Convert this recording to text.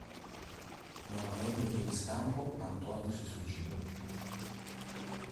Non avendo vie di scampo, Antonio si suicidò.